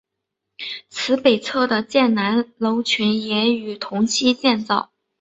其北侧的建南楼群也于同期建造。